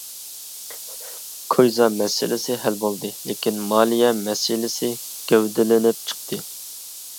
«كويزا» مەسىلىسى ھەل بولدى، لېكىن مالىيە مەسىلىسى گەۋدىلىنىپ چىقتى.